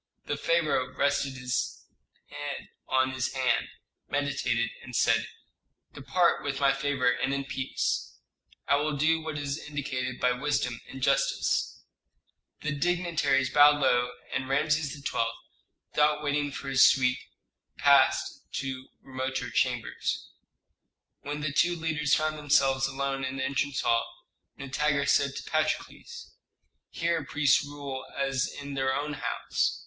The pharaoh rested his head on his hand, meditated, and said, "Depart with my favor and in peace. I will do what is indicated by wisdom and justice." The dignitaries bowed low, and Rameses XII., without waiting for his suite, passed to remoter chambers. When the two leaders found themselves alone in the entrance hall, Nitager said to Patrokles, "Here priests rule as in their own house.